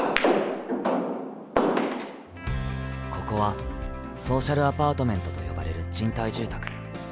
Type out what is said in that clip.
ここはソーシャルアパートメントと呼ばれる賃貸住宅。